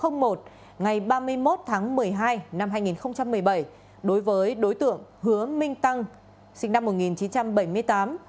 ngày ba mươi một tháng một mươi hai năm hai nghìn một mươi bảy đối với đối tượng hứa minh tăng sinh năm một nghìn chín trăm bảy mươi tám